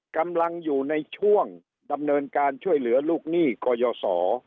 กำลังอยู่ในช่วงดำเนินการช่วยเหลือลูกหนี้กยศ